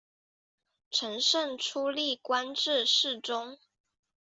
承圣初历官至侍中。